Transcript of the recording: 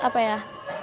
bisa apa ya bisa berhasil